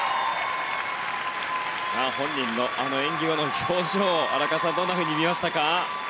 本人のあの演技後の表情荒川さん、どんなふうに見ましたか？